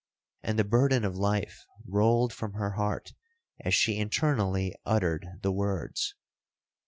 '—and the burden of life rolled from her heart as she internally uttered the words.